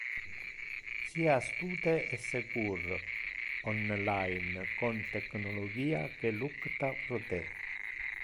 Sia astute e secur on line con technologia que lucta pro te.